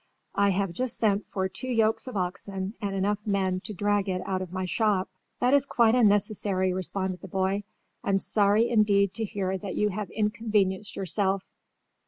"I have just sent for two yokes of oxen and enough men to drag it out of my shop." "That is quite unnecessary," responded the boy. "I'm sorry indeed to hear that you have inconvenienced yourself."